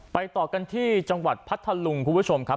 ต่อกันที่จังหวัดพัทธลุงคุณผู้ชมครับ